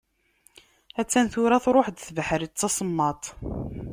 Attan tura truḥ-d tebḥritt d tasemmaḍt.